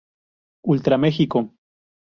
Ultra Mexico